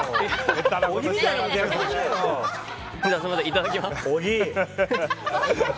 いただきます。